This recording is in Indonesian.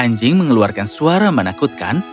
anjing mengeluarkan suara menakutkan